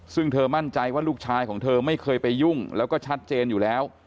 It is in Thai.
ซึ่งเธอมั่นใจว่าลูกชายของเธอไม่เคยไปยุ่งแล้วก็ชัดเจนอยู่แล้ว